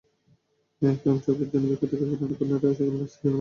Cramp চপের জন্য বিখ্যাত ক্যাফে কর্নারেও সকালের নাশতার জন্য ভালোই ভিড় জমে।